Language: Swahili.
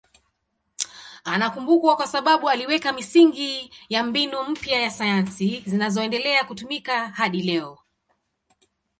Anakumbukwa kwa sababu aliweka misingi ya mbinu mpya za sayansi zinazoendelea kutumika hadi leo.